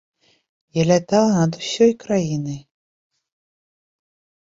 Я лятала над усёй краінай.